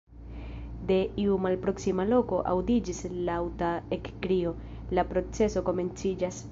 De iu malproksima loko aŭdiĝis laŭta ekkrio: " La proceso komenciĝas!"